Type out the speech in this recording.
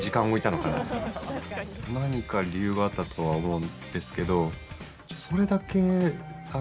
何か理由があったとは思うんですけど、それだけ。